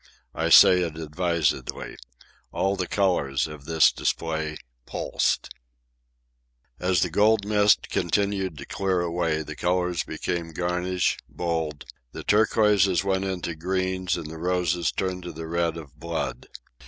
I say it advisedly. All the colours of this display pulsed. As the gold mist continued to clear away, the colours became garish, bold; the turquoises went into greens and the roses turned to the red of blood.